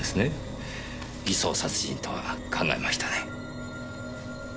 偽装殺人とは考えましたね。